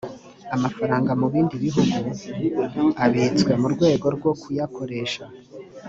amafaranga mu bindi bihugu abitswe mu rwego rwo kuyakoresha